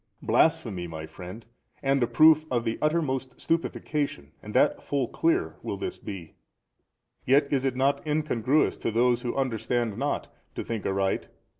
A. Blasphemy, my friend, and a proof of the uttermost |293 stupefaction, and that full clear, will this be, yet is it not incongruous to those who understand not to think aright.